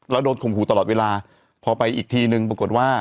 แล้วโดนข่มขู่ตลอดเวลาพอไปอีกทีนึงปรากฏว่า